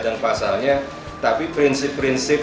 dan pasalnya tapi prinsip prinsip